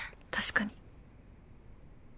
確かに。